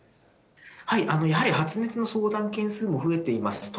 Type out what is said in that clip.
やはり、発熱の相談件数も増えています。